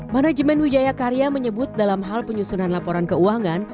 manajemen wijayakarya menyebut dalam hal penyusunan laporan keuangan